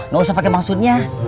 gak usah pakai maksudnya